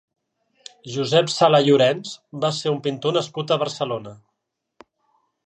Josep Sala Llorens va ser un pintor nascut a Barcelona.